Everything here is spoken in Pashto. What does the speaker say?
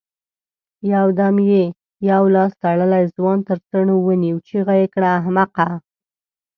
يودم يې يو لاس تړلی ځوان تر څڼو ونيو، چيغه يې کړه! احمقه!